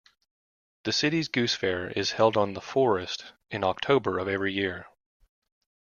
The city's Goose Fair is held on the Forest in October of every year.